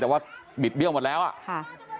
แต่ว่าบิดเบี้ยวหมดแล้วอ่ะค่ะ